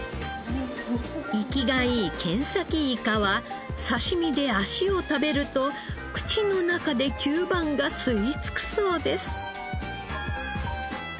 生きがいいケンサキイカは刺し身で足を食べると口の中で吸盤が吸いつくそうです。